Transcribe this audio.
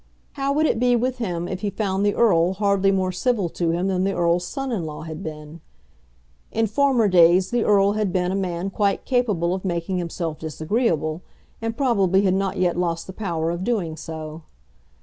How would it be with him if he found the Earl hardly more civil to him than the Earl's son in law had been? In former days the Earl had been a man quite capable of making himself disagreeable, and probably had not yet lost the power of doing so.